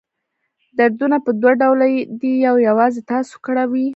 دردونه په دوه ډوله دي یو یوازې تاسو کړوي.